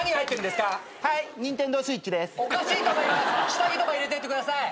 下着とか入れてってください。